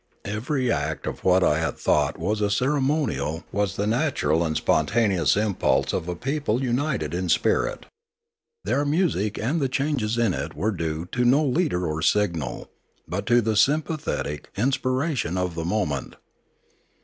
Every act of what I had thought was a ceremonial was the natural and spontaneous impulse of a people united in spirit. Their music and the changes in it were due to no leader or signal, but to the sympathetic inspiration of the moment.